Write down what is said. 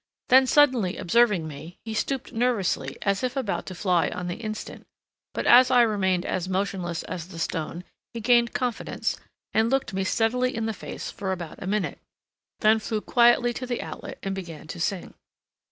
Then suddenly observing me, he stooped nervously as if about to fly on the instant, but as I remained as motionless as the stone, he gained confidence, and looked me steadily in the face for about a minute, then flew quietly to the outlet and began to sing.